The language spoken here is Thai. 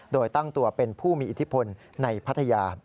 โดยตั้งตัวเป็นผู้มีอิทธิพลในพัทยา